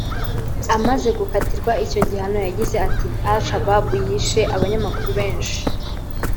Amaze gukatirwa icyo gihano yagize ati "Al Shabaab yishe abanyamakuru benshi